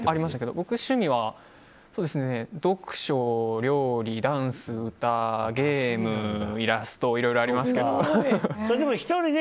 僕、趣味が読書、料理ダンス、歌ゲーム、イラストいろいろありますけど。